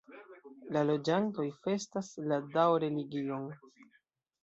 La loĝantoj festas la Dao-religion.